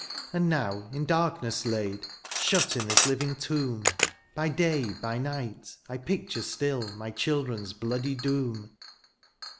And now in darkness laid^ Shut in this living tomb^ By day, by night, I picture still My children's bloody doom.